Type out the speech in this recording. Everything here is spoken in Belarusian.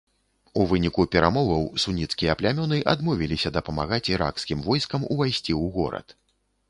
У выніку перамоваў суніцкія плямёны адмовіліся дапамагаць іракскім войскам увайсці ў горад.